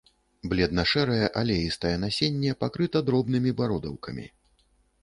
Бледна-шэрае, алеістае насенне пакрыта дробнымі бародаўкамі.